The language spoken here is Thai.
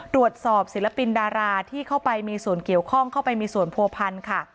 ตรวจสอบศิลปินดาราที่เข้าไปมีส่วนเกี่ยวข้องเข้าไปมีส่วนโพภพันธ์